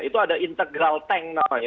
itu ada integral tank namanya